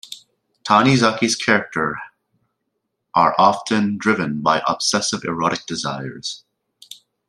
Tanizaki's characters are often driven by obsessive erotic desires.